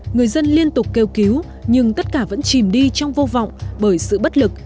người dân liên tục kêu cứu nhưng tất cả vẫn chìm đi trong vô vọng bởi sự bất lực